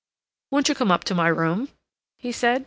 "Won't you come up to my room?" he said.